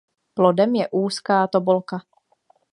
Plodem je úzká tobolka.